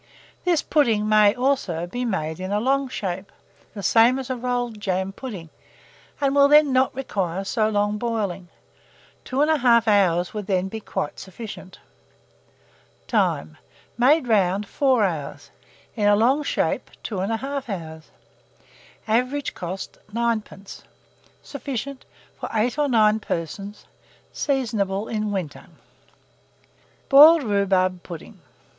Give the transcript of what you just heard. This pudding may, also, be made in a long shape, the same as a rolled jam pudding, and will then not require so long boiling; 2 1/2 hours would then be quite sufficient. Time. Made round, 4 hours; in a long shape, 2 1/2 hours. Average cost, 9d. Sufficient for 8 or 9 persons. Seasonable in winter. BOILED RHUBARB PUDDING.